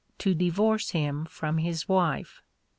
to divorce him from his wife.